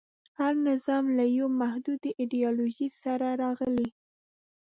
هر نظام له یوې محدودې ایډیالوژۍ سره راغلی.